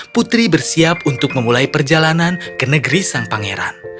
putri bersiap untuk memulai perjalanan ke negeri sang pangeran